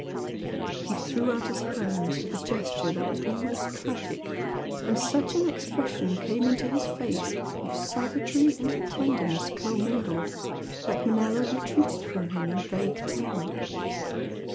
He threw out his hands with a gesture that was almost tragic, and such an expression came into his face of savagery and tenderness commingled that Manella retreated from him in vague terror.